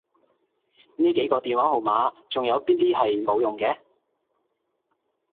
呢幾個電話號碼仲有邊啲係冇用嘅？